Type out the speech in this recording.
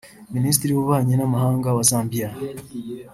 Minisitiri w’Ububanyi n’Amahanga wa Zambia